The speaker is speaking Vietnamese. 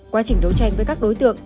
quá trình đấu tranh với các đối tượng